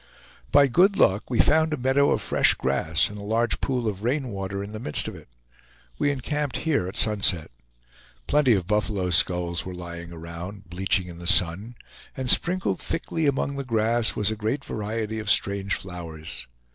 By good luck, we found a meadow of fresh grass, and a large pool of rain water in the midst of it. We encamped here at sunset. Plenty of buffalo skulls were lying around, bleaching in the sun; and sprinkled thickly among the grass was a great variety of strange flowers.